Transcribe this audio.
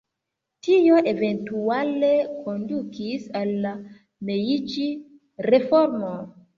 Tio eventuale kondukis al la Mejĝi-reformo.